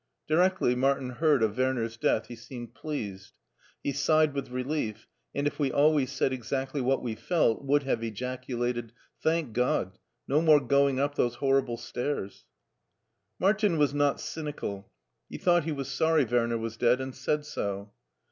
Directly Martin heard of Werner's death he seemed pleased; he sighed with relief, and if we always said exactly what we felt, would have ejaculated, " Thank God, no more going up those horrible stairs 1 " Martin was not cynical; he thought he was sorry /Werner was dead, and said so.